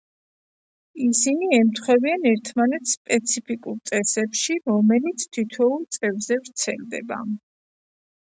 ისინი ემთხვევიან ერთმანეთს სპეციფიკურ წესებში, რომელიც თითოეულ წევრზე ვრცელდება.